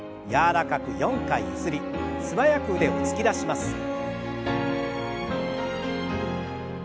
柔らかく４回ゆすり素早く腕を突き出します。